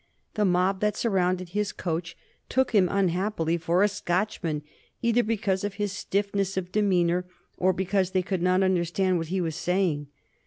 The mob that surrounded his coach took him, unhappily, for a Scotchman, either because of his stiffness of demeanor or because they could not understand what he was saying.